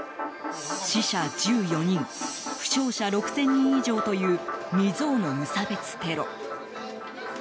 死者１４人負傷者６０００人以上という未曽有の無差別テロ。